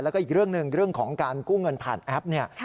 แล้วก็อีกเรื่องหนึ่งเรื่องของการกู้เงินผ่านแอปเนี่ย